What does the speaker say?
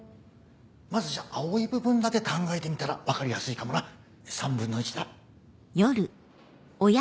まずじゃあ青い部分だけ考えてみたら分かりやすいかもな３分の１だ。